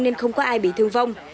nên không có ai bị thương vong